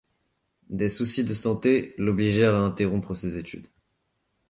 Des soucis de santé l'obligèrent à interrompre ces études.